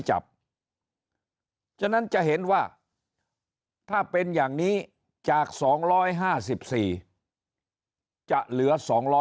ฉะนั้นจะเห็นว่าถ้าเป็นอย่างนี้จาก๒๕๔จะเหลือ๒๐๐